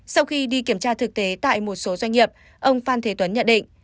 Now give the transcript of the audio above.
sau khi đi kiểm tra thực tế tại một số doanh nghiệp ông phan thế tuấn nhận định